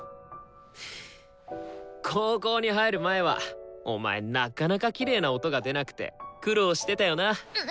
高校に入る前はお前なかなかきれいな音が出なくて苦労してたよな。